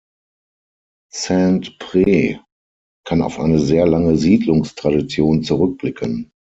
Saint-Prex kann auf eine sehr lange Siedlungstradition zurückblicken.